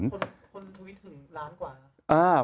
คนทวิตเป็นล้านกว่า